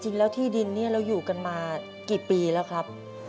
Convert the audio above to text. จริงแล้วที่ดินนี้เราอยู่กันมากี่ปีแล้วครับ